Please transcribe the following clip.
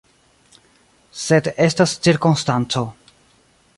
Sed estas cirkonstanco.